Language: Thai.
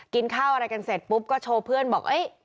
กินข้าวอะไรกันเสร็จปุ๊บก็โชว์เพื่อนบอก